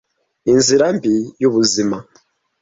Inzira mbi yubuzima